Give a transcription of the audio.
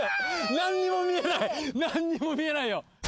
何も見えない、何も見えないよ。